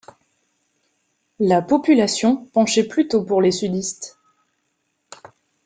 La population penchait plutôt pour les Sudistes.